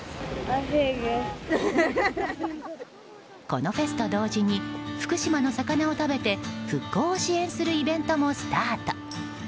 このフェスと同時に福島の魚を食べて復興を支援するイベントもスタート。